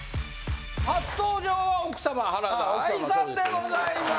初登場は奥様原田愛さんでございます。